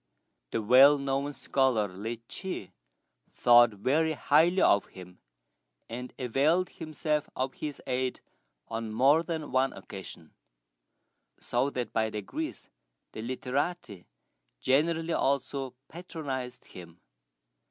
The well known scholar, Li Chih, thought very highly of him, and availed himself of his aid on more than one occasion; so that by degrees the literati generally also patronized him.